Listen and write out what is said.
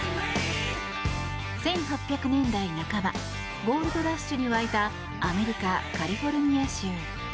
１８００年代半ばゴールドラッシュに沸いたアメリカ・カリフォルニア州。